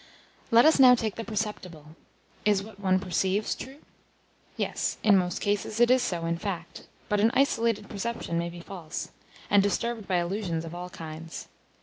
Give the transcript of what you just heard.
Let us now take the Perceptible. Is what one perceives true? Yes, in most cases it is so in fact; but an isolated perception may be false, and disturbed by illusions of all kinds.